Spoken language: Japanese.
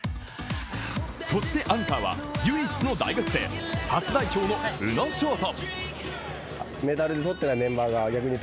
そしてアンカーは唯一の大学生、初代表の宇野勝翔。